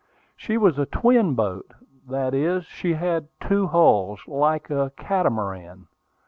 She was a "twin boat:" that is, she had two hulls, like a "catamaran."